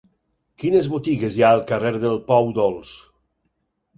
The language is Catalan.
Quines botigues hi ha al carrer del Pou Dolç?